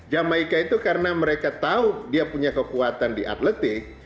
jamaica itu karena mereka tahu dia punya kekuatan di atletik